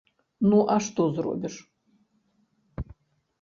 Ну а што зробіш?